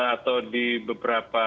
atau di beberapa